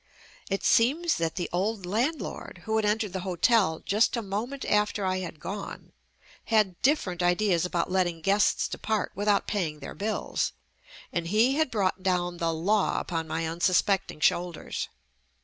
It seems that the old landlord who had entered the hotel just a moment after I had gone, had different ideas about letting JUST ME guests depart without paying their bills, and he had brought down the law upon my unsus pecting shoulders.